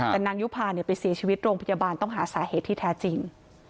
แต่นางยุภาไปเสียชีวิตโรงพยาบาลต้องหาสาเหตุที่แท้จริง